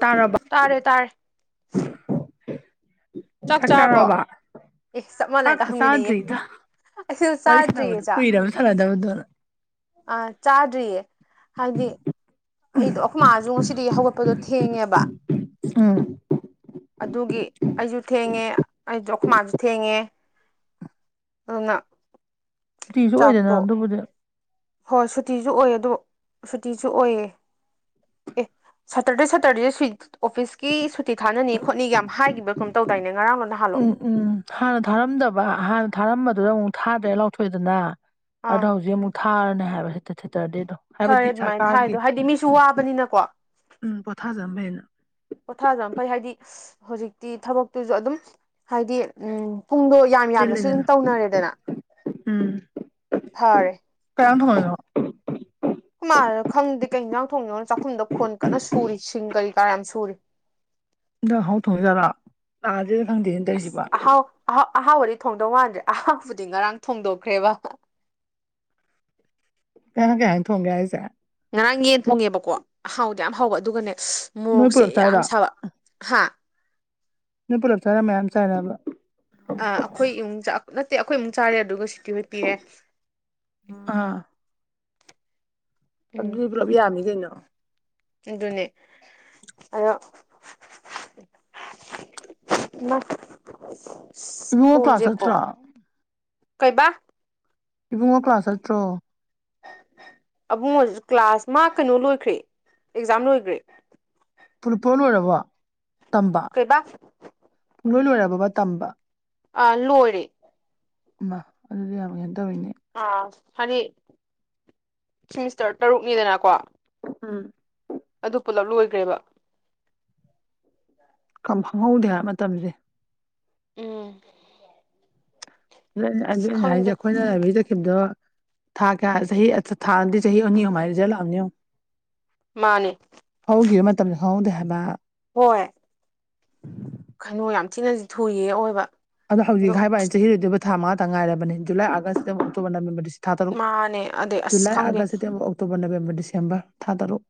ꯇꯥꯔꯕ ꯇꯥꯔꯦ ꯇꯥꯔꯦ ꯆꯥꯛ ꯆꯥꯔꯕ ꯑꯦ ꯆꯞ ꯃꯥꯟꯅꯒ ꯁꯥꯀ ꯍꯪꯃꯤꯟꯅꯩꯌꯦ ꯁꯥꯥꯟꯗ꯭ꯔꯤ ꯏꯗ ꯑꯩꯁꯨ ꯋꯥꯣꯏꯁꯂꯕꯗ ꯀꯏꯔꯔꯕ ꯆꯂꯗꯕꯗꯂ ꯑ ꯆꯥꯗ꯭ꯔꯤꯌꯦ ꯍꯥꯏꯗꯤ ꯑꯩꯗꯣ ꯑꯩꯈꯣꯏ ꯃꯥꯁꯨ ꯉꯁꯤꯗꯒꯤ ꯍꯧꯒꯠꯄꯗꯣ ꯊꯦꯡꯉꯦꯕ ꯑꯗꯨꯒꯤ ꯑꯩꯁꯨ ꯊꯦꯡꯉꯦ ꯑꯩꯁꯨ ꯑꯩꯈꯃꯥꯟꯁꯨ ꯊꯦꯡꯉꯦ ꯑꯗꯨꯅ ꯁꯇꯤꯁꯨ ꯑꯣꯏꯗꯅ ꯆꯥꯛꯇꯣ ꯑꯗꯨꯕꯨꯗꯤ ꯍꯣꯏ ꯁꯨꯇꯤꯁꯨ ꯑꯣꯏꯌꯦ ꯑꯗꯣ ꯁꯨꯇꯤꯁꯨ ꯑꯣꯏꯌꯦ ꯑꯦ ꯁꯦꯇꯔꯗꯦ ꯁꯦꯇꯔꯗꯦ ꯁ ꯑꯣꯐꯤꯁꯀꯤ ꯁꯨꯇꯤ ꯊꯥꯅꯅꯤ ꯈꯣꯠꯅꯤꯒ ꯌꯥꯝ ꯍꯥꯏꯈꯤꯕ ꯀꯨꯝꯝ ꯇꯧꯗꯥꯏꯅꯦ ꯉꯔꯥꯡ ꯂꯣꯅ ꯍꯥꯜꯂꯣ ꯎꯝ ꯎꯝ ꯍꯥꯟꯅ ꯊꯥꯔꯝꯗꯕ ꯍꯥꯟꯅ ꯊꯥꯔꯝꯕꯗꯨꯗ ꯑꯃꯨꯛ ꯊꯥꯗ꯭ꯔꯦ ꯂꯥꯎꯊꯣꯛꯗꯅ ꯑꯗꯣ ꯑꯥ ꯍꯧꯖꯤꯛ ꯑꯃꯨꯛ ꯊꯥꯔꯅꯦ ꯍꯥꯏꯕ ꯊꯦꯇꯔꯗꯦꯗꯣ ꯐꯔꯦ ꯑꯗꯨꯃꯥꯏꯅ ꯊꯥꯏꯗꯣ ꯍꯥꯏꯗꯤ ꯃꯤꯁꯨ ꯋꯥꯕꯅꯤꯅꯀꯣ ꯎꯝ ꯄꯣꯊꯥꯖꯅꯕ ꯍꯦꯟꯅ ꯄꯣꯊꯖ ꯌꯥꯝ ꯐꯩ ꯍꯥꯏꯗꯤ ꯍꯧꯖꯤꯛꯇꯤ ꯊꯕꯛꯇꯨꯁꯨ ꯑꯗꯨꯝ ꯍꯥꯏꯗꯤ ꯎꯝ ꯄꯨꯡꯗꯣꯏ ꯌꯥꯝ ꯌꯥꯝꯅꯁꯨ ꯑꯗꯨꯝ ꯆꯤꯜꯂꯦꯗꯅ ꯇꯧꯅꯔꯦꯗꯅ ꯐꯔꯦ ꯀꯦꯟ ꯍꯣ ꯀꯃꯅ ꯈꯪꯗꯦ ꯀꯩ ꯌꯦꯟꯖꯥꯡ ꯊꯣꯡꯅꯤꯅ ꯆꯥꯛꯈꯨꯝꯗ ꯈꯣꯟ ꯀꯟꯅ ꯁꯨꯔꯤ ꯁꯤꯡ ꯀꯔꯤ ꯀꯥ ꯌꯥꯝ ꯁꯨꯔꯤ ꯗ ꯍꯥꯎꯊꯣꯡꯖꯔꯥ ꯑ ꯑꯗꯨ ꯐꯪꯗꯦ ꯑꯁ ꯑꯍꯥꯎ ꯑꯍꯥꯎ ꯑꯍꯥꯎꯕꯗꯤ ꯊꯣꯡꯗꯧ ꯃꯥꯟꯗ꯭ꯔꯦ ꯑꯍꯥꯎꯕꯗꯤ ꯉꯔꯥꯡ ꯊꯣꯡꯗꯣꯛꯈ꯭ꯔꯦꯕ ꯀꯩꯍꯥꯡ ꯀꯩꯍꯪ ꯊꯣꯡꯒꯦ ꯍꯥꯏꯁꯦ ꯉꯔꯥꯡ ꯌꯦꯟ ꯊꯣꯡꯉꯦꯕꯀꯣ ꯑꯍꯥꯎꯗꯤ ꯌꯥꯝ ꯍꯥꯎꯕ ꯑꯗꯨꯒꯅꯦ ꯅꯣꯏ ꯃꯣꯔꯣꯛꯁꯦ ꯄꯨꯂꯞ ꯌꯥꯝ ꯆꯥꯏꯔꯣ ꯁꯥꯕ ꯍꯥ ꯅꯪ ꯄꯨꯂꯞ ꯆꯥꯔ ꯃꯌꯥꯝ ꯆꯥꯏꯔꯕ ꯑ ꯑꯩꯈꯣꯏ ꯏꯨ ꯅꯠꯇꯦ ꯑꯩꯈꯣꯏ ꯏꯨꯛ ꯆꯥꯔꯦ ꯑꯗꯨꯒ ꯁꯨꯇꯤ ꯍ ꯄꯤꯔꯦ ꯑ ꯎꯝ ꯑꯗꯨꯗꯤ ꯄꯨꯂꯞ ꯌꯥꯝꯃꯤ ꯀꯩꯅꯣ ꯑꯗꯨꯅꯦ ꯑꯗꯣ ꯃꯥ ꯑ ꯏꯕꯨꯡꯉꯣ ꯀ꯭ꯂꯥꯁ ꯐꯣꯟꯁꯦꯀꯣ ꯆꯠꯇ꯭ꯔꯣ ꯀꯩꯕꯥ ꯏꯕꯨꯡꯉꯣ ꯀ꯭ꯂꯥꯁ ꯅꯠꯇ꯭ꯔꯣ ꯕꯨꯡ ꯀ꯭ꯂꯥꯁ ꯃꯥ ꯀꯩꯅꯣ ꯂꯣꯏꯈ꯭ꯔꯦ ꯑꯦꯛꯖꯥꯝ ꯂꯣꯏꯈ꯭ꯔꯦ ꯄꯄꯣ ꯂꯣꯏꯔꯕꯣ ꯇꯝꯕ ꯀꯩꯕꯥ ꯄꯨꯡꯂꯣꯏ ꯂꯣꯏꯔꯕꯔꯕ ꯇꯝꯕ ꯑ ꯂꯣꯏꯔꯦ ꯃꯥ ꯑꯗꯨꯗꯤ ꯌꯥꯝ ꯀꯩꯅꯣ ꯇꯧꯋꯅꯦ ꯑꯥ ꯍꯥꯏꯅꯤ ꯁꯤꯦꯃꯤꯁꯇꯔ ꯇꯔꯨꯛꯅꯤꯗꯅꯀꯣ ꯎꯝ ꯑꯗꯨ ꯄꯨꯂꯞ ꯂꯣꯏꯈ꯭ꯔꯦꯕ ꯀ ꯈꯪꯍꯧꯗꯦ ꯍꯥꯏꯕ ꯃꯇꯝꯁꯦ ꯎꯝ ꯑꯁ ꯑꯗꯨꯩꯅ ꯍꯥꯏꯁꯦ ꯈꯪꯗꯦ ꯑꯩꯈꯣꯏꯅ ꯈꯤꯕꯗꯣ ꯊꯥ ꯀꯌꯥ ꯆꯍꯤ ꯊꯥꯗꯤ ꯆꯍꯤ ꯑꯅꯤ ꯑꯍꯨꯝ ꯍꯥꯏ ꯔꯤꯖꯜ ꯂꯥꯛꯑꯅꯤꯣ ꯃꯥꯅꯦ ꯍꯧꯈꯤꯕ ꯃꯇꯝꯗ ꯍꯧꯗꯦ ꯍꯥꯏꯕ ꯍꯣꯏ ꯈꯅꯨ ꯌꯥꯝ ꯊꯤꯅꯗꯤ ꯊꯨꯔꯤꯌꯦ ꯑꯣꯏꯕ ꯑꯗꯣ ꯍꯧꯖꯤꯛ ꯍꯥꯏꯕ ꯑꯩꯅ ꯆꯍꯤꯗꯣꯏꯔꯤꯕ ꯊꯥ ꯃꯥꯪ ꯉꯥꯏꯔꯕ ꯖꯂꯥꯏꯥꯒꯁꯁꯤꯗ ꯑꯣꯛꯇꯣꯕꯔ ꯅꯕꯦꯝꯕꯔꯁꯤꯦ ꯊꯥ ꯇꯔꯨꯛ ꯃꯥꯅꯦ ꯑꯗꯩ ꯑꯁ ꯨꯂꯥꯏ ꯈꯪꯗꯦ August September October November December ꯊꯥ ꯇꯔꯨꯛ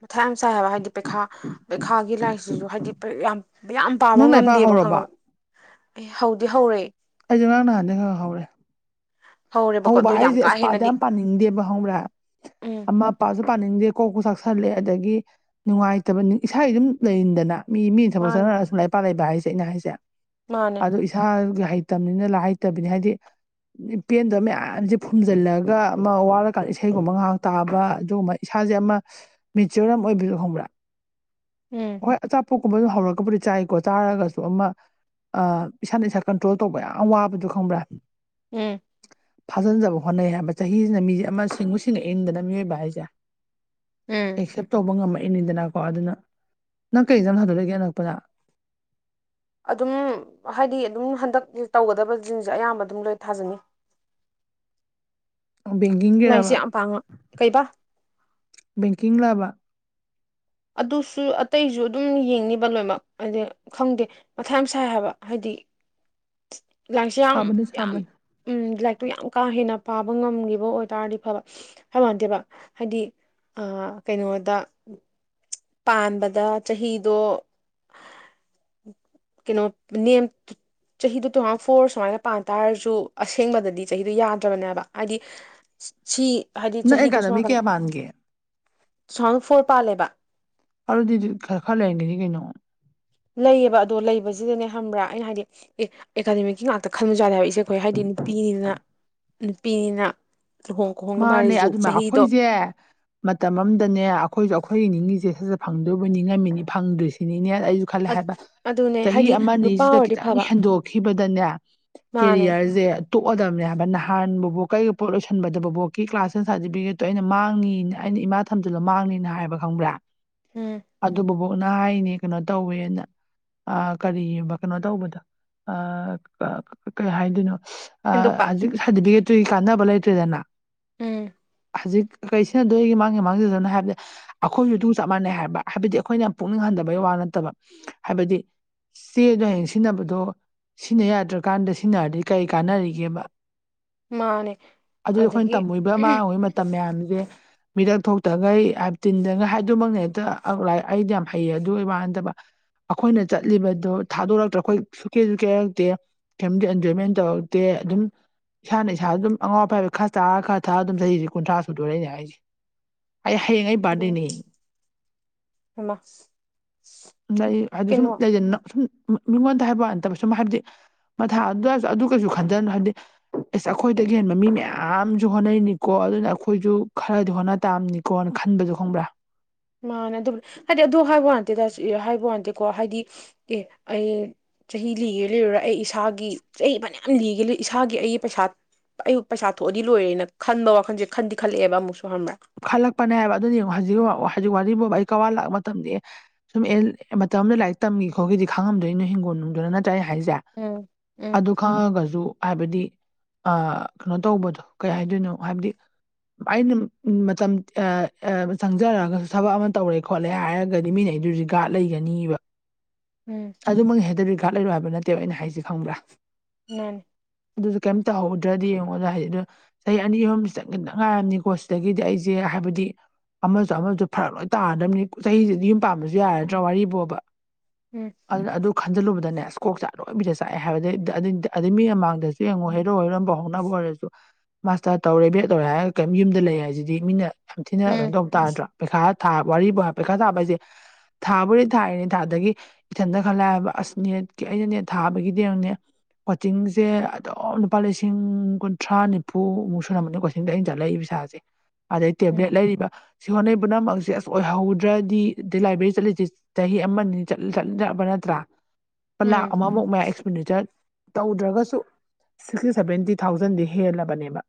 ꯃꯊꯥ ꯌꯥꯝ ꯆꯥꯏ ꯍꯥꯏꯕ ꯍꯥꯏꯗꯤ ꯄꯩꯈꯥ ꯄꯩꯈꯥꯒꯤ ꯂꯥꯏꯁꯤꯁꯨ ꯍꯥꯏꯗꯤ ꯌꯥꯝ ꯌꯥꯝ ꯄꯥꯕ ꯅꯪ ꯂꯥꯏꯔꯤꯛ ꯄꯥ ꯉꯝꯗꯦꯕ ꯍꯧꯔꯕꯣ ꯈꯪꯉꯕ ꯑꯦ ꯍꯧꯗꯤ ꯍꯧꯔꯛꯦ ꯑꯩꯁꯨ ꯉꯔꯥꯡ ꯅꯍꯥꯟꯅꯩ ꯈ ꯍꯧꯔꯦ ꯍꯧꯔꯦꯕꯀꯣ ꯍꯧꯕ ꯑꯗꯣ ꯌꯥꯝ ꯍꯥꯏꯁꯦ ꯀꯥ ꯑꯁꯄꯥꯗ ꯍꯦꯟꯅꯗꯤ ꯌꯥꯝ ꯄꯥꯅꯤꯡꯗꯦꯕ ꯍꯧꯔꯦ ꯎꯝ ꯃ ꯑꯄꯥꯁꯨ ꯄꯥꯅꯤꯡꯗꯦ ꯀꯣꯛꯄ ꯆꯥꯛꯁꯜꯂꯦ ꯑꯗꯒꯤ ꯅꯨꯡꯉꯥꯏꯇꯕ ꯏꯁꯥꯒꯤ ꯑꯗꯨꯝ ꯂꯩꯔꯤꯟꯗꯅ ꯃꯤ ꯃꯤꯅ ꯊꯕꯛ ꯃꯥꯅꯦ ꯆꯠꯅꯔꯒ ꯁꯨꯝ ꯂꯩꯄꯥꯛ ꯂꯩꯕ ꯍꯥꯏꯁꯦ ꯑꯩꯅ ꯍꯥꯏꯁꯦ ꯃꯥꯅꯦ ꯑꯗꯨ ꯏꯁꯥꯒꯤ ꯍꯩꯇꯕꯅꯤꯅ ꯂꯥꯏ ꯍꯩꯇꯕꯅꯤ ꯍꯥꯏꯗꯤ ꯄꯦꯟꯗꯕ ꯃꯌꯥꯝꯁꯦ ꯐꯨꯝꯖꯤꯜꯂꯒ ꯑꯃ ꯋꯥꯔꯀꯥꯟꯗ ꯏꯁꯩꯒꯨꯝꯕ ꯉꯥꯏꯍꯥꯛ ꯇꯥꯕ ꯑꯗꯨꯒꯨꯝꯕ ꯏꯁꯥꯁꯦ ꯑꯃ ꯃꯤꯖꯣꯔꯥꯝ ꯑꯣꯏꯕꯤꯔ ꯈꯕ꯭ꯔꯥ ꯎꯝ ꯍꯣꯏ ꯑꯆꯥꯄꯣꯠꯀꯨꯝꯕ ꯑꯗꯨ ꯍꯧꯔꯒꯕꯨꯗꯤ ꯆꯥꯏꯀꯣ ꯆꯥꯔꯒꯁꯨ ꯑꯃ ꯏꯁꯥꯅ ꯏꯁꯥ ꯀꯟꯇ꯭ꯔꯣꯜ ꯇꯧꯕ ꯌꯥꯝ ꯋꯥꯕꯗꯣ ꯈꯪꯕ꯭ꯔꯥ ꯎꯝ ꯐꯥꯖꯤꯟꯖꯕ ꯍꯣꯠꯅꯩ ꯍꯥꯏꯕ ꯆꯍꯤꯁꯤꯅ ꯃꯤꯁꯦ ꯑꯃ ꯁꯤꯡꯎ ꯁꯤꯡꯅ ꯏꯟꯗꯅ ꯃꯤꯑꯣꯏꯕ ꯍꯥꯏꯁꯦ ꯎꯝ ꯑꯦꯛꯁꯦꯞ ꯇꯧꯕ ꯉꯝꯃꯛꯏꯅꯤꯗꯅꯀꯣ ꯑꯗꯨꯅ ꯅꯪ ꯀꯩꯗꯪ ꯍꯥꯟꯗꯣꯛꯂꯒꯦ ꯑꯅꯂꯛꯄꯗ ꯑꯗꯨꯝ ꯍꯥꯏꯗꯤ ꯑꯗꯨꯝ ꯍꯟꯗꯛ ꯇꯧꯒꯗꯕꯁꯤꯡꯟꯁꯦ ꯑꯌꯥꯝꯕ ꯑꯗꯨꯝ ꯂꯣꯏ ꯊꯥꯖꯅꯤ ꯂꯥꯏꯔꯤꯛꯁꯦ ꯕꯦꯡꯀꯤꯡꯒꯤꯔꯕ ꯌꯥꯝ ꯄꯥꯡꯉ ꯀꯩꯕꯥ ꯕꯦꯡꯀꯤꯡ ꯂꯑꯕ ꯑꯗꯨꯁꯨ ꯑꯇꯩꯁꯨ ꯑꯗꯨꯝ ꯌꯦꯡꯅꯤꯕ ꯂꯣꯏꯅꯃꯛ ꯍꯥꯏꯗꯤ ꯈꯪꯗꯦ ꯃꯊꯥꯏ ꯃ ꯁꯥꯏ ꯍꯥꯏꯕ ꯍꯥꯏꯗꯤ ꯂꯥꯡꯁ ꯌꯥꯝ ꯁꯥꯕꯅꯤ ꯌꯥꯝ ꯁꯥꯕꯅꯤ ꯎꯝ ꯂꯥꯏꯔꯤꯛꯇꯨ ꯌꯥꯝ ꯀꯥ ꯍꯦꯟꯅ ꯄꯥꯕ ꯉꯝꯈꯤꯕ ꯑꯣꯏꯇꯥꯥꯔꯗꯤ ꯐꯕ ꯍꯥꯏ ꯃꯥꯟꯗꯦꯕ ꯍꯥꯏꯗꯤ ꯀꯩꯅꯣꯗ ꯄꯥꯟꯕꯗ ꯆꯍꯤꯗꯣ ꯀꯩꯅꯣ ꯅꯅꯤꯌꯝ ꯆꯍꯤꯗꯨ ꯇꯨ ꯊꯥꯎꯖꯟ ꯐꯣꯔ ꯁꯨꯃꯥꯏꯅ ꯄꯥꯟ ꯇꯥꯔꯁꯨ ꯑꯁꯦꯡꯕꯗꯗꯤ ꯆꯍꯤꯗꯣ ꯌꯥꯗ꯭ꯔꯕꯅꯦꯕ ꯍꯥꯏꯗꯤ ꯁꯤ ꯍꯥꯏꯗꯤ ꯅꯪ ꯆꯍꯤꯗ ꯁꯣꯝ ꯑꯦꯀꯥꯗꯃꯤ ꯅꯥꯀꯟ ꯀꯌꯥ ꯄꯥꯟꯒꯦ ꯇꯨ ꯊꯥꯎꯖꯟ ꯐꯣꯔ ꯄꯥꯜꯂꯦꯕ ꯑꯗꯨꯗꯤ ꯈꯔ ꯈꯔ ꯂꯩꯔꯟꯒꯤꯅꯤ ꯀꯩꯅꯣ ꯂꯩꯌꯦꯕ ꯑꯗꯣ ꯂꯩꯕꯁꯤꯗꯅꯦ ꯈꯪꯕ꯭ꯔꯥ ꯑꯩꯅ ꯍꯥꯏꯗꯤ ꯑꯦ ꯑꯦꯀꯥꯗꯃꯤꯛꯀꯤ ꯉꯥꯛꯇ ꯈꯟꯕꯖꯥꯗꯦ ꯍꯥꯏꯕ ꯏꯆꯦ ꯑꯩꯈꯣꯏ ꯍꯥꯏꯗꯤ ꯅꯨꯄꯤꯅꯤꯅ ꯅꯨꯄꯤꯅꯤꯅ ꯂꯨꯍꯣꯡ ꯈꯣꯡꯗꯣꯡꯕ ꯃꯥꯅꯦ ꯍꯥꯏꯔꯤꯁꯨ ꯑꯗꯨꯃ ꯆꯍꯤꯗꯣ ꯑꯩꯈꯣꯏꯁꯦ ꯃꯇꯝ ꯑꯝꯗꯅꯦ ꯑꯩꯈꯣꯏꯁꯨ ꯑꯩꯈꯣꯏꯒꯤ ꯅꯤꯡꯉꯤꯁꯦ ꯁꯠꯁꯠ ꯐꯪꯗꯣꯏꯕꯨ ꯅꯤꯡꯉꯝꯃꯤꯅꯤ ꯐꯪꯗ꯭ꯔꯤꯁꯤꯅꯤꯅꯦ ꯑꯩꯁꯨ ꯈꯜꯂꯦ ꯍꯥꯏꯕ ꯑꯗꯨꯅꯦ ꯆꯍꯤ ꯍꯥꯏꯗꯤ ꯑꯃ ꯅꯨꯄꯥ ꯑꯅꯤꯁꯤꯗ ꯑꯣꯏꯔꯗꯤ ꯈꯤꯇꯪ ꯐꯕ ꯍꯦꯟꯗꯣꯛꯈꯤꯕꯗꯅꯦ ꯃꯥꯅꯦ ꯀꯦꯔꯤꯌꯔꯁꯦ ꯇꯣꯛꯑꯗꯕꯅꯦ ꯍꯥꯏꯕ ꯅꯍꯥꯟ ꯕꯨꯕꯣꯀꯥ ꯑꯩꯒ ꯄꯣꯠ ꯂꯣꯏꯁꯟꯕ ꯑꯗꯨ ꯕꯨꯕꯣꯛꯀꯤ ꯀ꯭ꯂꯥꯁ ꯇꯦꯟ ꯁꯥꯔꯇꯤꯐꯤꯀꯦꯠꯇꯣ ꯑꯩꯅ ꯃꯥꯡꯅꯤ ꯑꯩꯅ ꯏꯃꯥ ꯊꯝꯖꯤꯂꯨ ꯃꯥꯡꯅꯤꯅ ꯍꯥꯏꯕ ꯈꯪꯕ꯭ꯔꯥ ꯎꯝ ꯑꯗꯨ ꯕꯨꯕꯣꯛꯅ ꯍꯥꯏꯅꯤ ꯀꯩꯅꯣ ꯇꯧꯋꯦꯅ ꯑꯥ ꯀꯔꯤ ꯀꯩꯅꯣ ꯇꯧꯕꯗꯣ ꯑꯥ ꯀꯩ ꯍꯥꯏꯗꯣꯏꯅꯣ ꯑꯥ ꯍꯦꯟꯗꯣꯛꯄ ꯍꯧꯖꯤꯛ ꯁꯥꯔꯇꯤꯐꯤꯀꯦꯠꯇꯨꯒꯤ ꯀꯥꯟꯅꯕ ꯂꯩꯇ꯭ꯔꯦꯗꯅ ꯎꯝ ꯍꯧꯖꯤꯛ ꯀꯔꯤ ꯁꯤꯅꯗꯣ ꯑꯩꯒꯤ ꯃꯥꯡꯒꯦ ꯃꯥꯡꯖꯁꯅꯣꯅ ꯍꯥꯏꯕꯗꯥ ꯑꯈꯣꯏꯁꯨ ꯑꯗꯨ ꯆꯞ ꯃꯥꯟꯅꯩ ꯍꯥꯏꯕ ꯍꯥꯏꯕꯗꯤ ꯑꯩꯈꯣꯏꯅ ꯄꯨꯛꯅꯤꯡ ꯍꯟꯗꯕꯩ ꯋꯥ ꯅꯠꯇꯕ ꯍꯥꯏꯕꯗꯤ ꯆꯦꯗꯣ ꯍꯌꯦꯡ ꯁꯤꯖꯤꯟꯅꯕꯗꯣ ꯁꯤꯟꯅ ꯌꯥꯗ꯭ꯔꯀꯥꯟꯗ ꯁꯤꯖꯤꯟꯅꯔꯗꯤ ꯀꯔꯤ ꯀꯥꯟꯅꯔꯤꯒꯦꯕ ꯃꯥꯅꯦ ꯑꯗꯨꯗꯤ ꯑꯩꯈꯣꯏꯅ ꯑꯗꯒꯤ ꯇꯝꯃꯨꯔꯤꯕ ꯃꯥꯡꯉꯨꯔꯤꯕ ꯃꯇꯝ ꯃꯌꯥꯝꯁꯦ ꯃꯤꯔꯛ ꯊꯣꯛꯇꯈꯩ ꯇꯤꯟꯗꯒꯩ ꯍꯥꯏꯗꯨꯃꯛꯅꯦ ꯍꯦꯛꯇ ꯂꯥꯛ ꯑꯩꯗꯤ ꯌꯥꯝ ꯍꯩꯌꯦ ꯑꯗꯨ ꯋꯥ ꯅꯠꯗꯕ ꯑꯈꯣꯏꯅ ꯆꯠꯂꯤꯕꯗꯣ ꯊꯥꯗꯣꯔꯛꯇ꯭ꯔ ꯑꯩꯈꯣꯏ ꯁꯨ ꯀꯦꯁꯨ ꯀꯦꯔꯛꯇꯦ ꯐꯦꯃꯤꯂꯤ ꯑꯦꯟꯖꯣꯏꯃꯦꯟ ꯇꯧꯔꯛꯇꯦ ꯑꯗꯨꯝ ꯏꯁꯥꯅ ꯏꯁꯥ ꯑꯗꯨꯝ ꯑꯋꯥꯠ ꯑꯄꯥ ꯈꯔ ꯆꯥꯕ ꯈꯔ ꯊꯛꯑ ꯑꯗꯨꯝ ꯆꯍꯤꯁꯦ ꯀꯨꯟꯊ꯭ꯔ ꯁꯨꯗꯧꯔꯦ ꯑꯩ ꯍꯥꯏꯁꯤ ꯑꯩ ꯍꯌꯦꯡ ꯑꯩ ꯑꯗꯨꯝ ꯕꯥꯔꯗꯦꯅꯤ ꯂꯩ ꯍꯥꯏꯗꯤ ꯁꯨꯝ ꯀꯩꯅꯣ ꯂꯩ ꯁꯨꯝ ꯃꯤꯉꯣꯟꯗ ꯍꯥꯏꯕ ꯋꯥ ꯅꯠꯇꯕ ꯁꯨꯝ ꯍꯥꯏꯕꯗꯤ ꯃꯊꯥ ꯑꯗꯨꯗꯁꯨ ꯑꯗꯨ ꯀꯩꯁꯨ ꯈꯟꯖꯅꯨ ꯍꯥꯏꯕꯗꯤ ꯑꯦꯁ ꯑꯩꯈꯣꯏꯗꯒꯤ ꯍꯦꯟꯕ ꯃꯤ ꯃꯌꯥꯝ ꯌꯥꯝꯁꯨ ꯍꯣꯠꯅꯩꯅꯤꯀꯣ ꯑꯗꯨꯅ ꯑꯩꯈꯣꯏꯁꯨ ꯈꯔꯗꯤ ꯍꯣꯠꯅ ꯇꯥꯝꯅꯤꯀꯣꯅ ꯈꯟꯕꯁꯨ ꯈꯪꯕ꯭ꯔꯥ ꯃꯥꯅꯦ ꯑꯗꯨ ꯍꯥꯏꯗꯤ ꯑꯗꯨ ꯍꯥꯏꯕ ꯋꯥꯥꯟꯇꯦ ꯍꯥꯏꯕ ꯋꯥꯇꯦꯀꯣ ꯍꯥꯏꯗꯤ ꯑꯦ ꯑꯩ ꯆꯍꯤ ꯂꯤꯒꯦ ꯂꯤꯔꯨꯔꯥ ꯑꯩ ꯏꯁꯥꯒꯤ ꯆꯍꯤ ꯐꯅꯌꯥꯝ ꯂꯤꯒꯦ ꯏꯁꯥꯒꯤ ꯑꯩꯒꯤ ꯄꯩꯁꯥ ꯑꯌꯨꯛ ꯄꯩꯁꯥ ꯊꯣꯛꯑꯗꯤ ꯂꯣꯏꯔꯦꯅ ꯈꯟꯕ ꯋꯥꯈꯟꯁꯦ ꯈꯟꯗꯤ ꯈꯜꯂꯛꯑꯦꯕ ꯑꯃꯨꯛꯁꯨ ꯈꯪꯕ꯭ꯔꯥ ꯈꯜꯂꯛꯄꯅꯦ ꯍꯥꯏꯕ ꯑꯗꯨ ꯌꯦꯉꯨ ꯍꯧꯖꯤꯛ ꯍꯧꯖꯤꯛ ꯋꯥꯔꯤꯕꯣꯕ ꯑꯩ ꯀꯋꯥ ꯂꯥꯛꯄ ꯃꯇꯝꯗꯤ ꯁꯨꯝ ꯑꯦ ꯃꯇꯝ ꯑꯃꯗ ꯂꯥꯏꯔꯤꯛ ꯇꯝꯈꯤ ꯈꯣꯠꯈꯤꯗꯤ ꯈꯪꯉꯝꯗꯣꯏꯅꯣ ꯍꯤꯡꯒꯣꯜ ꯅꯨꯡꯗꯨꯅ ꯅꯠꯇ꯭ꯔꯥ ꯑꯩ ꯍꯥꯏꯁꯦ ꯎꯝ ꯎꯝ ꯑꯗꯨ ꯈꯪꯉꯒꯁꯨ ꯍꯥꯏꯕꯗꯤ ꯑ ꯀꯩꯅꯣ ꯇꯧꯕꯗꯣ ꯀꯩ ꯍꯥꯏꯗꯣꯏꯅꯣ ꯍꯥꯏꯕꯗꯤ ꯑꯩꯅ ꯃꯇꯝ ꯆꯪꯖꯔꯒꯁꯨ ꯊꯕꯛ ꯑꯃ ꯇꯧꯔꯦ ꯈꯣꯠꯂꯦ ꯍꯥꯏꯔꯒꯗꯤ ꯃꯤꯅ ꯑꯩꯗꯨꯖꯤ ꯒꯥꯔꯗ ꯂꯩꯒꯅꯤꯕ ꯎꯝ ꯑꯗꯨꯃꯛ ꯍꯦꯛꯇ ꯔꯤꯒꯥꯥꯔꯠ ꯂꯩꯔꯣꯢ ꯍꯥꯏꯕ ꯅꯠꯇꯦꯕ ꯑꯩꯅ ꯍꯥꯏꯁꯤ ꯈꯪꯕ꯭ꯔꯥ ꯃꯥꯅꯤ ꯑꯗꯨꯁꯨ ꯀꯔꯤꯝ ꯇꯧꯍꯧꯗ꯭ꯔꯗꯤ ꯌꯦꯡꯉꯣꯗ ꯍꯥꯏꯗꯤ ꯑꯗꯨꯗꯣ ꯆꯍꯤ ꯑꯅꯤ ꯑꯍꯨꯝꯁꯤ ꯆꯪꯈꯤꯗ ꯉꯥꯏꯔꯝꯅꯤꯀꯣ ꯑꯗꯒꯤꯗꯤ ꯑꯩꯁꯦ ꯍꯥꯏꯕꯗꯤ ꯑꯃꯁꯨ ꯑꯃꯁꯨ ꯐꯔꯛ ꯂꯣꯏ ꯇꯥꯗꯕꯅꯤ ꯆꯍꯤꯁꯤꯗꯤ ꯌꯨꯝ ꯄꯥꯟꯕꯁꯨ ꯌꯥꯔꯗ꯭ꯔꯥ ꯋꯥꯔꯤ ꯕꯣꯕ ꯎꯝ ꯑꯗꯨꯅ ꯑꯗꯨ ꯈꯟꯖꯤꯜꯂꯨꯕꯗꯅꯦ ꯁ꯭ꯀꯣꯛ ꯆꯠ ꯂꯣꯏꯕꯤꯗ ꯆꯥꯛꯑꯦ ꯍꯥꯏꯕꯗꯩ ꯑꯩ ꯃꯤ ꯃꯃꯥꯡꯗꯁꯨ ꯌꯦꯡꯉꯨ ꯍꯩꯔꯣ ꯍꯔꯣ ꯐꯥꯎ [unintelligible] ꯑꯣꯢꯔꯁꯨ ꯃꯥꯁꯇꯔ ꯇꯧꯔꯦ ꯕꯦꯗ ꯂꯣꯢꯔꯦ ꯍꯥꯏꯔ [unintelligible] ꯌꯨꯝꯗ ꯂꯩ ꯍꯥꯏꯁꯤꯗꯤ ꯃꯤꯅ ꯌꯥꯝ ꯊꯤꯅ ꯀꯩꯅꯣ ꯎꯝ ꯇꯧꯕ ꯇꯥꯔꯗ꯭ꯔꯥ ꯄꯩꯈꯥ ꯄꯩꯈꯥ ꯊꯥꯕ ꯍꯥꯏꯁꯦ ꯊꯥꯕꯨꯗꯤ ꯊꯥꯔꯤꯅꯤ ꯊꯥꯗꯒꯤ ꯏꯊꯟꯇ ꯈꯜꯂꯛꯑꯕ ꯑꯁ ꯅꯦꯠꯀꯤ ꯑꯩꯅ ꯅꯦꯠ ꯊꯥꯕꯒꯤꯅꯦꯅꯦ ꯀꯣꯆꯤꯡꯁꯦ ꯑꯗꯨꯝ ꯂꯨꯄꯥ ꯂꯤꯁꯤꯡ ꯀꯨꯟꯊ꯭ꯔꯥ ꯅꯤꯐꯨꯃꯨꯛ ꯁꯨꯨꯔꯝꯕꯅꯤ ꯀꯣꯆꯤꯡꯗ ꯑꯩꯅ ꯆꯠꯂꯛꯏꯕꯁꯥꯁꯦ ꯑꯗꯩ ꯇꯦꯕ꯭ꯂꯦꯠ ꯎꯝ ꯂꯩꯔꯤꯕ ꯁꯤ ꯍꯣꯠꯅꯩ ꯄꯨꯝꯅꯃꯛꯁꯦ ꯑꯁ ꯑꯣꯏꯍꯧꯗ꯭ꯔꯗꯤ ꯑꯗꯩ ꯂꯥꯏꯕ꯭ꯔꯦꯔꯤ ꯆꯠꯂꯤꯁꯦ ꯆꯍꯤ ꯑꯃꯅꯤꯠꯂ ꯆꯠꯂ ꯆꯠꯕ ꯅꯠꯇ꯭ꯔꯥ ꯂ ꯂꯥꯛ ꯎꯝ ꯑꯃꯃꯨꯛ ꯃꯌꯥ ꯑꯦꯛꯁꯄꯦꯟꯗꯤꯆꯔ ꯇꯧꯗ꯭ꯔꯒꯁꯨ ꯁꯤꯛꯁꯇꯤ ꯁꯚꯦꯟꯇꯤ ꯊꯥꯎꯖꯟꯗꯤ ꯍꯦꯜꯂꯕꯅꯦꯕ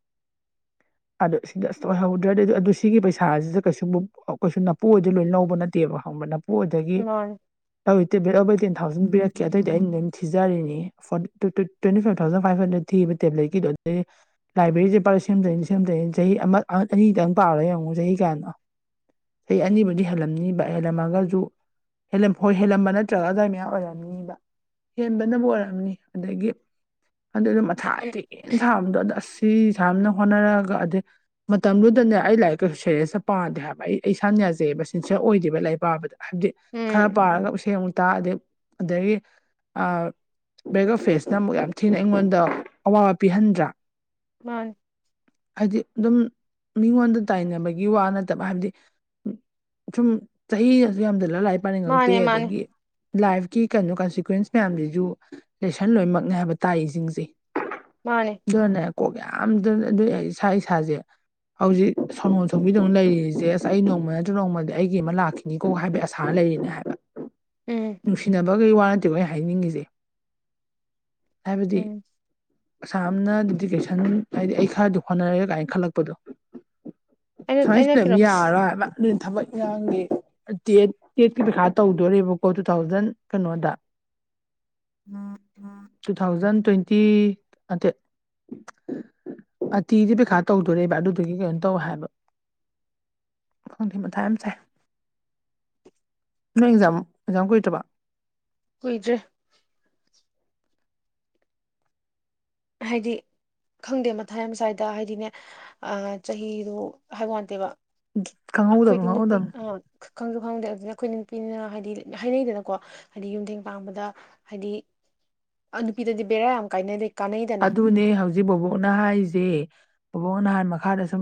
ꯑꯗꯨ ꯁꯤꯗ ꯑꯁꯇ ꯑꯣꯏꯍꯧꯗ꯭ꯔꯗꯤ ꯑꯗꯨ ꯁꯤꯒꯤ ꯄꯩꯁꯥꯁꯤꯗ ꯀꯩꯁꯨꯕꯨ ꯀꯩꯁꯨ ꯅꯅꯥꯄꯨ ꯑꯣꯏꯗ ꯂꯣꯏꯅ ꯂꯧꯕ ꯅꯠꯇꯦꯕꯪꯕ ꯃꯣꯏꯗꯒꯤ ꯃꯥꯅꯦ [unintelligible] ꯇꯦꯟ ꯊꯥꯎꯖꯟ ꯄꯤꯔꯛꯀꯦ ꯑꯗꯨꯏꯗꯤ ꯑꯩꯅ ꯑꯗꯨꯝ ꯊꯖꯔꯤꯅꯤ twenty five thousand five hundred ꯊꯤꯕ ꯇꯦꯕ꯭ꯂꯦꯠꯀꯤꯗꯣ ꯑꯗꯨꯗꯩ ꯂꯥꯏꯕ꯭ꯔꯦꯔꯤ ꯂꯨꯄꯥ ꯂꯤꯁꯤꯡꯍꯨꯝꯗꯣꯢ ꯂꯤꯁꯤꯡꯍꯨꯝꯗꯣꯏ ꯆꯍꯤ ꯑꯃ ꯑꯅꯤꯛꯇꯪ ꯄꯥꯔꯣꯏ ꯌꯦꯡꯉꯣ ꯆꯍꯤ ꯀꯔꯥꯅꯣ꯫ ꯑꯩ ꯑꯅꯤꯕꯨꯗꯤ ꯍꯦꯜꯂꯝꯅꯤꯕ ꯍꯦꯜꯂꯝꯃꯒꯖꯨ ꯍꯦꯜꯂꯝ ꯍꯣꯏ ꯍꯦꯜꯂꯝꯕ ꯅꯠꯇ꯭ꯔꯒ ꯑꯗꯨꯋꯥꯏ ꯃꯌꯥꯝ ꯑꯣꯏꯔꯝꯅꯤꯕ ꯍꯦꯟꯕꯅꯕꯨ ꯑꯣꯏꯔꯝꯅꯤ ꯑꯗꯒꯤ ꯑꯗꯨꯒꯤ ꯃꯊꯥ ꯊꯤꯅ ꯁꯥꯕꯗꯣ ꯑꯗꯨ ꯑꯁ ꯁꯤ ꯁꯨꯃꯥꯏꯅ ꯍꯣꯠꯅꯔꯛꯑꯒ ꯑꯗꯩ ꯃꯇꯝꯗꯨꯗꯅꯦ ꯑꯩ ꯂꯥꯏꯔꯤꯛ ꯀꯩꯁꯨ ꯁꯦꯔꯤꯌꯁꯇ ꯄꯥꯗꯦ ꯍꯥꯏꯕ ꯑꯩ ꯏꯁꯥꯅ ꯌꯥꯖꯩꯑꯕ ꯁꯤꯟꯁꯤꯌꯔ ꯑꯣꯏꯗꯦꯕ ꯂꯥꯏꯔꯤꯛ ꯄꯥꯕꯗ꯫ ꯍꯥꯏꯕꯗꯤ ꯈꯔ ꯎꯝ ꯄꯥꯔꯒ ꯏꯁꯩ ꯑꯃꯨꯛ ꯇꯥ ꯑꯗꯩ ꯑꯗꯒꯤ ꯑ ꯕꯦꯒ ꯐꯦꯁꯅ ꯑꯃꯨꯛ ꯌꯥꯝ ꯊꯤꯅ ꯑꯩꯉꯣꯟꯗ ꯑꯋꯥꯕ ꯄꯤꯍꯟꯗ꯭ꯔꯥ ꯃꯥꯥꯟꯅꯤ꯫ ꯍꯥꯏꯗꯤ ꯑꯗꯨꯝ ꯃꯤꯉꯣꯟꯗ ꯇꯥꯏꯅꯕꯒꯤ ꯋꯥ ꯅꯠꯇꯕ ꯍꯥꯏꯕꯗꯤ ꯁꯨꯝ ꯆꯍꯤ [unintelligible] ꯌꯥꯝꯖꯂꯛ ꯂꯥꯏꯔꯤꯛ ꯄꯥꯏꯅꯤꯡꯉꯛꯇꯦ ꯃꯥꯅꯦ ꯃꯥꯅꯦ ꯑꯗꯒꯤ ꯂꯥꯏꯐꯀꯤ ꯀꯩꯅꯣ ꯀꯟꯁꯤꯀ꯭ꯋꯦꯟꯁ ꯃꯌꯥꯝꯁꯤꯁꯨ ꯂꯦꯁꯟ ꯂꯣꯏꯅꯃꯛꯅꯦ ꯍꯥꯏꯕ ꯇꯥꯛꯏꯁꯤꯡꯁꯦ꯫ ꯃꯥꯟꯅꯦ꯫ ꯑꯗꯨꯅꯅꯦ ꯀꯣꯛ ꯌꯥꯝ ꯑꯗꯨ ꯑꯩ ꯏꯁꯥ ꯏꯁꯥꯁꯦ ꯍꯧꯖꯤꯛ ꯁꯣꯅꯣ ꯊꯨꯡꯕꯤꯗꯧꯅ ꯂꯩꯔꯤꯁꯦ ꯑꯁ ꯑꯩ ꯅꯣꯡꯃ ꯅꯠꯇ꯭ꯔꯒ ꯅꯣꯡꯃꯗꯤ ꯑꯩꯒꯤ ꯑꯃ ꯂꯥꯛꯈꯤ ꯅꯤꯀꯣ ꯍꯥꯏꯕꯒꯤ ꯑꯁꯥꯅ ꯂꯩꯔꯤꯅꯦ ꯍꯥꯏꯕ꯫ ꯎꯝ ꯅꯨꯡꯁꯤꯅꯕꯈꯒꯤꯋꯥ ꯅꯠꯇꯦꯣ ꯑꯩ ꯍꯥꯏꯅꯤꯡꯉꯤꯁꯦ ꯍꯥꯏꯕꯗꯤ ꯎꯝ ꯑꯁꯥꯝꯅ ꯗꯗꯤꯗꯤꯀꯦꯁꯟ ꯍꯥꯏꯗꯤ ꯑꯩ ꯈꯔꯗꯤ ꯍꯣꯠꯅꯔꯒꯦ ꯀꯥꯏꯅ ꯈꯜꯂꯛꯄꯗꯣ ꯑꯩꯅ ꯑꯩꯅ ꯀꯩꯅꯣ [unintelligible] ꯌꯥꯔꯔꯣꯏ ꯍꯥꯏꯕ꯫ ꯑꯗꯨꯅ ꯊꯕꯛ ꯏꯟꯒꯥꯡꯒꯤ ꯇꯦ ꯇꯦꯠꯀꯤ ꯄꯩꯈꯥ ꯇꯧꯗꯣꯏꯔꯦꯕ ꯑꯣ ꯇꯨ ꯊꯥꯎꯖꯟ ꯀꯩꯅꯣꯗ ꯇꯨ ꯊꯥꯎꯖꯟ ꯇ꯭ꯋꯦꯟꯇꯤ ꯅꯠꯇꯦ ꯑꯇꯤꯗꯤ ꯄꯩꯈꯥ ꯇꯧꯗꯣꯔꯦꯕ ꯑꯗꯨꯗꯨꯒꯤ ꯀꯩꯅꯣ ꯇꯧ ꯍꯥꯏꯕ ꯈꯪꯗꯦ ꯃꯊꯥ ꯌꯥꯝ ꯁꯥꯏ ꯅꯣꯏ ꯑꯦꯛꯖꯥꯝ ꯑꯦꯛꯖꯥꯝ ꯀꯨꯏꯗꯔꯕꯣ꯫ ꯀꯨꯏꯗ꯭ꯔꯦ ꯍꯥꯏꯗꯤ ꯈꯪꯗꯦ ꯃꯊꯥꯏꯝ ꯁ꯭ꯋꯥꯏꯗ ꯍꯥꯏꯗꯤꯅꯦ ꯆꯍꯤꯗꯨꯣ ꯍꯥꯏꯕ ꯋꯥꯅꯠꯇꯦꯕ ꯈꯡꯍꯧꯗꯃꯤ ꯈꯪꯍꯧꯗꯃꯤ꯫ ꯈꯪꯁꯨ ꯈꯪꯗꯦ ꯑꯗꯨꯅ ꯑꯩꯈꯣꯏ ꯅꯨꯄꯤꯅ ꯍꯥꯏꯗꯤ ꯍꯥꯏꯅꯩꯗꯅꯀꯣ ꯍꯥꯏꯗꯤ ꯌꯨꯝ ꯊꯦꯡ ꯄꯥꯟꯕꯗ ꯍꯥꯏꯗꯤ ꯅꯨꯄꯤꯗꯗꯤ ꯕꯦꯔꯥ ꯌꯥꯝ ꯀꯥꯏꯅꯔꯤ꯫ ꯑꯗꯨꯅꯦ ꯍꯧꯖꯤꯛ ꯕꯕꯣꯛꯅ ꯍꯥꯏꯔꯤꯖꯦ꯫ ꯕꯕꯣꯛꯅ ꯍꯥꯢ ꯃꯈꯥꯗ ꯁꯨꯝ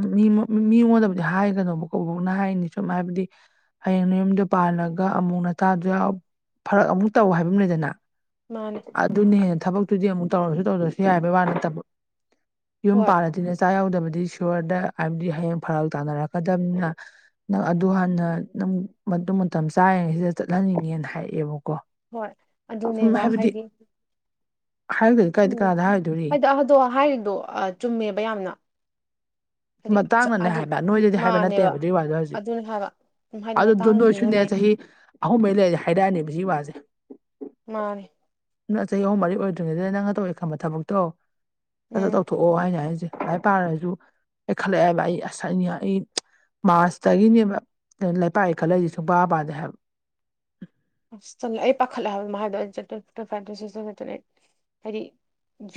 ꯃꯤꯉꯣꯟꯗꯕꯨꯗꯤ ꯍꯥꯏꯒꯅꯣꯕꯀꯣ ꯕꯣꯕꯣꯛꯅ ꯍꯥꯏꯔꯤꯅꯤ ꯁꯨꯝ ꯍꯥꯏꯕꯗꯤ ꯍꯌꯦꯡ ꯅꯌꯨꯝꯗꯣ ꯄꯥꯜꯂꯒ ꯑꯃꯨꯛ ꯅꯇꯥꯗꯨ ꯌꯥꯎ ꯐꯔꯛ ꯑꯃꯨꯛ ꯇꯧ ꯍꯥꯏꯕ ꯑꯃ ꯂꯩꯗꯅ ꯃꯥꯟꯅꯦ꯫ ꯑꯗꯨꯅꯦ ꯍꯦꯟꯅ ꯊꯕꯛꯇꯨꯗꯤ ꯑꯃꯨꯛ ꯇꯧꯔꯁꯨ ꯇꯧꯗ꯭ꯔꯁꯨ ꯌꯥꯏꯕꯩ ꯋꯥ ꯅꯠꯇꯕ ꯌꯨꯝ ꯍꯣꯏ ꯄꯥꯜꯂꯗꯤ ꯅꯦ ꯏꯆꯥ ꯌꯥꯎꯗꯕꯗꯤ ꯏꯁꯣꯔꯗ ꯍꯥꯏꯕꯗꯤ ꯍꯌꯦꯡ ꯐꯔꯥꯎ ꯇꯥꯟꯅꯔꯛꯀꯗꯅꯤꯅ ꯅꯪ ꯑꯗꯨ ꯍꯥꯟꯅ ꯅꯪ ꯃꯇꯨꯡ ꯃꯇꯝ ꯆꯥꯔꯤꯉꯩꯁꯤꯗ ꯆꯠꯍꯟꯅꯤꯡꯉꯦꯅ ꯍꯥꯏꯔꯛꯑꯦꯕꯀꯣ ꯍꯣꯏ꯫ ꯁꯨꯝ ꯑꯗꯨꯅꯦꯕ ꯍꯥꯏꯕꯗꯤ ꯍꯥꯏꯗꯤ [unintelligible] ꯈꯪꯗꯦ ꯍꯥꯏꯔꯣꯏꯗꯣꯔꯤ ꯍꯣꯏꯗ ꯑꯗꯣ ꯍꯥꯏꯔꯤꯗꯣ ꯆꯨꯝꯃꯦꯕ ꯌꯥꯝꯅ ꯍꯥꯏꯗꯤ ꯃꯇꯇꯥꯡꯅꯅꯦ ꯍꯥꯏꯗꯤ ꯍꯥꯏꯕ ꯅꯣꯏꯗꯗꯤ ꯍꯥꯏꯕ ꯅꯠꯇꯦꯕ ꯃꯥꯅꯦꯕ ꯑꯗꯨꯒꯤ ꯋꯥꯗꯣ ꯍꯧꯖꯤꯛ꯫ ꯑꯗꯨꯅꯦ ꯍꯥꯏꯕ ꯎꯝ ꯍꯥꯏꯗꯤ ꯑꯗꯨꯗꯣ ꯅꯣꯏꯁꯨꯅꯦ ꯃꯇꯥꯡꯗꯨꯅꯅꯦ ꯆꯍꯤ ꯑꯍꯨꯝ ꯃꯩ ꯂꯩꯔꯗꯤ ꯍꯥꯏꯔꯛꯑꯅꯦꯕ ꯁꯤꯒꯤ ꯋꯥꯁꯦ꯫ ꯃꯥꯟꯅꯦ꯫ ꯅꯪ ꯆꯍꯤ ꯑꯍꯨꯝ ꯃꯔꯤ ꯑꯣꯏꯗ꯭ꯔꯤꯉꯩꯗ ꯅꯪꯅ ꯇꯧꯒꯦ ꯈꯟꯕ ꯊꯕꯛꯇꯣ ꯁꯠ ꯁꯠ ꯎꯝ ꯇꯧꯊꯣꯛꯑꯣ꯫ ꯊꯣꯛꯑꯣ ꯍꯥꯏꯅ ꯍꯥꯏꯁꯦ ꯚꯥꯏ ꯄꯥꯔꯁꯨ ꯑꯩ ꯈꯜꯂꯛꯑꯦꯕ ꯑꯩ ꯑꯁꯅꯤ ꯑꯩ ꯃꯥꯔꯁꯇꯒꯤꯅꯦꯕ ꯂꯩꯄꯥꯛ ꯏꯀꯠꯂ ꯑꯩꯗꯤ ꯁꯨꯡ ꯄꯕꯥꯗꯦ ꯍꯥꯏꯕ ꯑ ꯆꯂ ꯑꯩ ꯄꯈꯜꯂ ꯃꯍꯥꯗꯥꯏ ꯍꯥꯏꯗꯤ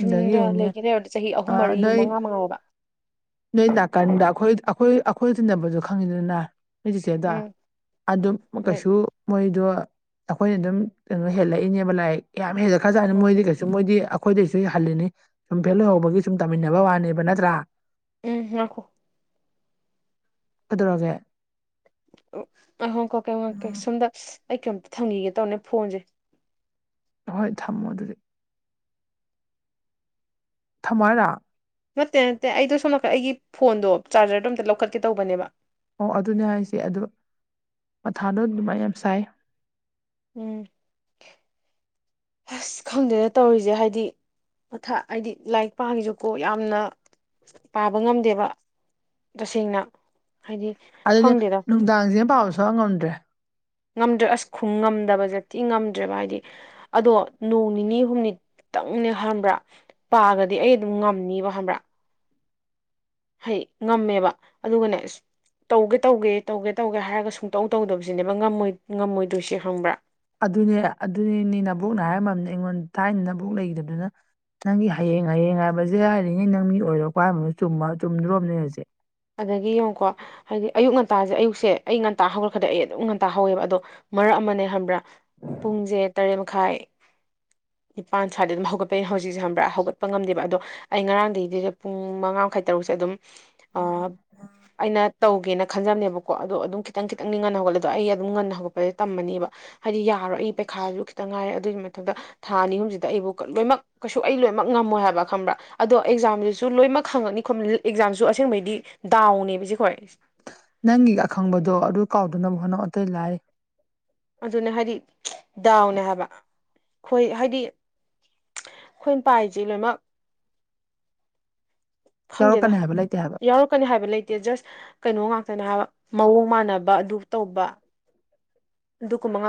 ꯑꯗꯒꯤ ꯌꯨꯝꯗ ꯌꯦꯡꯉꯨꯅꯦ ꯂꯩꯒꯦꯅꯦ ꯍꯥꯏꯔꯕꯗ ꯆꯍꯤ ꯑꯍꯨꯝ ꯃꯔꯤ ꯅꯣꯏ ꯃꯉꯥ ꯃꯉꯥꯕ ꯅꯣꯏ ꯅꯥꯀꯟꯗ ꯑꯩꯈꯣꯏ ꯑꯩꯈꯣꯏ ꯑꯩꯈꯣꯏ ꯇꯤꯟꯅꯕꯁꯨ ꯈꯪꯉꯤꯗꯅ ꯍꯧꯖꯤꯛꯁꯦꯗ ꯎꯝ ꯑꯗꯨꯝ ꯀꯩꯁꯨ ꯃꯣꯏꯗꯣ ꯑꯩꯈꯣꯏꯅ ꯑꯗꯨꯝ ꯀꯩꯅꯣ ꯍꯦꯜꯂꯛꯏꯅꯦꯕ ꯂꯥꯏꯔꯤꯛ ꯌꯥꯝ ꯍꯦꯜꯂ ꯈꯖꯠꯅꯤ ꯑꯣ ꯃꯣꯏꯗꯤ ꯀꯩꯁꯨ ꯁꯨꯝ ꯃꯣꯏꯗꯤ ꯑꯩꯈꯣꯏꯗꯁꯨ ꯍꯜꯂꯤꯅꯤ ꯁꯨꯝ ꯐꯦꯜ ꯑꯣꯏꯍꯧꯕꯒꯤ ꯁꯨꯝ ꯇꯝꯃꯤꯟꯅꯕ ꯋꯥꯅꯦꯕ ꯅꯠꯇ꯭ꯔꯥ ꯎꯝ ꯔꯈꯣ ꯀꯗꯧꯔꯒꯦ ꯑꯣ ꯑ ꯍꯪꯀꯣꯀ ꯁꯣꯝꯗ ꯑꯩ ꯀꯩꯝꯇ ꯊꯝꯈꯤꯒꯦ ꯇꯧꯅꯦ ꯐꯣꯟꯁꯦ ꯍꯍꯣꯏ ꯊꯝꯃꯣ ꯑꯗꯨꯗꯤ ꯊꯃꯥꯏꯅ ꯅꯠꯇꯦ ꯅꯠꯇꯦ ꯑꯩꯗꯣ ꯁꯣꯝ ꯅꯥꯀꯟ ꯑꯩꯒꯤ ꯐꯣꯟꯗꯣ ꯆꯥꯔꯖꯔꯗꯣ ꯑꯝꯇ ꯂꯧꯈꯠꯀꯦ ꯇꯧꯕꯅꯦꯕ ꯑꯣ ꯑꯗꯨꯅꯦ ꯍꯥꯏꯁꯦ ꯑꯗꯨ ꯃꯊꯥꯗꯣ ꯑꯗꯨꯃꯥꯏꯅ ꯌꯥꯝ ꯁꯥꯏ ꯎꯝ ꯑꯁ ꯈꯪꯗꯦꯅ ꯇꯧꯔꯤꯁꯦ ꯍꯥꯏꯗꯤ ꯃꯊ ꯍꯥꯏꯗꯤ ꯂꯥꯏꯔꯤꯛ ꯄꯥꯉꯁꯨꯀꯣ ꯌꯥꯝꯅ ꯄꯥꯕ ꯉꯝꯗꯦꯕ ꯇꯁꯦꯡꯅ ꯍꯥꯏꯗꯤ ꯑꯗꯨꯅꯦ ꯈꯪꯗꯦꯗ ꯅꯨꯡꯗꯥꯡꯁꯤꯅ ꯄꯥꯎ ꯁꯣꯛꯑ ꯉꯝꯗ꯭ꯔꯦ ꯉꯝꯗ꯭ꯔꯦ ꯑꯁ ꯈꯣꯡ ꯉꯝꯗꯕꯁꯦꯠꯇꯤ ꯉꯝꯗ꯭ꯔꯦꯕ ꯍꯥꯏꯗꯤ ꯑꯗꯣ ꯅꯣꯡ ꯅꯤꯅꯤ ꯍꯨꯝꯅꯤꯇꯪꯅꯦ ꯍꯝꯕ꯭ꯔꯥ ꯄꯥꯒꯗꯤ ꯑꯩ ꯑꯗꯨꯝ ꯉꯝꯅꯤꯕ ꯈꯕ꯭ꯔꯥ ꯍꯩ ꯉꯝꯃꯦꯕ ꯑꯗꯨꯒꯅꯦ ꯇꯧꯒꯦ ꯇꯧꯒꯦ ꯇꯧꯒꯦ ꯇꯧꯒꯦ ꯍꯥꯏꯔꯒ ꯁꯨꯡꯇꯧ ꯇꯧꯗꯕꯁꯤꯅꯦꯕ ꯉꯝꯃꯣꯏꯗꯣꯏꯁꯤ ꯍꯪꯕ꯭ꯔꯥ ꯑꯗꯨꯅꯦ ꯑꯗꯨꯅꯦꯅꯦ ꯅꯕꯨꯣꯛꯅ ꯍꯥꯏꯔꯝꯃꯕꯅꯤ ꯑꯩꯉꯣꯟꯗ ꯊꯥꯏꯅ ꯅꯕꯨꯣꯛ ꯂꯩꯈꯤꯗꯕꯗꯨꯅ ꯅꯪꯒꯤ ꯍꯌꯦꯡ ꯍꯌꯦꯡ ꯍꯥꯏꯕꯁꯦ ꯍꯥꯏꯔꯤꯉ ꯅꯪ ꯃꯤ ꯑꯣꯏꯔꯣ ꯀꯏꯔꯕ ꯆꯨꯝꯕ ꯆꯨꯝꯗ꯭ꯔꯣꯕꯅꯦ ꯍꯧꯖꯤꯦ ꯑꯗꯒꯤ ꯌꯦꯡꯉꯨꯀꯣ ꯍꯥꯏꯗꯤ ꯑꯌꯨꯛ ꯉꯟꯇꯥꯁꯦ ꯑꯌꯨꯛꯁꯦ ꯑꯩ ꯉꯟꯇꯥ ꯍꯧꯔ ꯈꯗꯤ ꯑꯩ ꯑꯗꯨꯝ ꯉꯟꯇꯥ ꯍꯧꯋꯦꯕ ꯑꯗꯣ ꯃꯔꯛ ꯑꯃꯅꯦ ꯍꯥꯏꯕ꯭ꯔꯥ ꯄꯨꯡꯁꯦ ꯇꯔꯦꯠ ꯃꯈꯥꯏ ꯅꯤꯥꯟ ꯁ꯭ꯋꯥꯏꯗ ꯑꯗꯨꯝ ꯍꯧꯒꯠꯄꯅꯤ ꯍꯧꯛꯁꯦ ꯍꯕ꯭ꯔꯥ ꯍꯧꯒꯠ ꯉꯝꯗꯦꯕ ꯑꯗꯣ ꯑꯩ ꯉꯔꯥꯡꯗꯒꯤꯗꯨꯗ ꯄꯨꯡ ꯃꯉꯥ ꯃꯈꯥꯏ ꯇꯔꯨꯛꯁꯦ ꯑꯗꯨꯝ ꯑꯩꯅ ꯇꯧꯒꯦꯅ ꯈꯟꯖꯕꯅꯦꯕꯀꯣ ꯑꯗꯣ ꯑꯗꯨꯝ ꯈꯤꯇꯪ ꯈꯤꯇꯪꯅꯤ ꯉꯟꯅ ꯍꯧꯒꯠꯂꯦ ꯑꯗꯣ ꯑꯩ ꯑꯗꯨꯝ ꯉꯟ ꯍꯧꯒꯠꯄꯁꯦ ꯇꯝꯃꯅꯦꯕ ꯍꯥꯏꯗꯤ ꯌꯥꯔꯣ ꯑꯩ ꯄꯩꯈꯥꯁꯨ ꯈꯤꯇꯪ ꯉꯥꯏꯔꯦ ꯑꯗꯨꯒꯤ ꯃꯊꯛꯇ ꯊꯥ ꯑꯅꯤ ꯑꯍꯨꯝꯁꯤꯗ ꯑꯩꯕꯨ ꯂꯣꯏꯅꯃꯛ ꯀꯩꯁꯨ ꯑꯩ ꯂꯣꯏꯅꯃꯛ ꯉꯝꯃꯣꯏ ꯍꯥꯏꯕ ꯈꯪꯕ꯭ꯔꯥ ꯑꯗꯣ ꯑꯦꯛꯖꯥꯝꯗꯨꯁꯨꯣꯏꯃꯛꯪꯉꯛꯅꯤ ꯈꯣ ꯑꯦꯛꯖꯥꯝꯁꯨ ꯑꯁꯦꯡꯕꯩꯗꯤ ꯗꯤ ꯗꯥꯎꯅꯦꯕꯖꯤ ꯍꯣꯏ ꯅꯪꯒꯤ ꯑꯈꯪꯕꯗꯣ ꯑꯗꯨ ꯀꯥꯎꯗꯅꯕ ꯍꯣꯠꯅꯧ ꯑꯇꯩ ꯂꯥꯛ ꯑꯗꯨꯅꯦ ꯍꯥꯏꯗꯤ ꯗꯥꯎꯅꯦ ꯍꯥꯏꯕ ꯑꯩꯣꯏ ꯍꯥꯏꯗꯤ ꯑꯩꯈꯣꯏꯅ ꯄꯥꯏꯁꯤ ꯂꯣꯏꯅꯃꯛ ꯈꯪꯗꯦꯗ ꯌꯥꯎꯔꯛꯀꯅꯤ ꯍꯥꯏꯕ ꯂꯩꯇꯦ ꯍꯥꯏꯕ ꯌꯥꯎꯔꯛꯀꯅꯤ ꯍꯥꯏꯕ ꯂꯩ ꯖꯁ ꯀꯩꯅꯣ ꯉꯥꯛꯇꯅꯦ ꯍꯥꯏꯕ ꯃꯑꯣꯡ ꯃꯥꯟꯅꯕ ꯑꯗꯨ ꯇꯧꯕ ꯑꯗꯨꯗꯨꯀꯃꯉꯥ